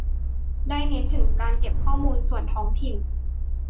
ได้เน้นถึงการเก็บข้อมูลของส่วนท้องถิ่น